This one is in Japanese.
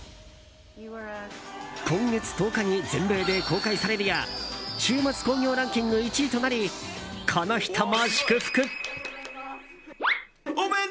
今月１０日に全米で公開されるや週末興行ランキング１位となりこの人も祝福。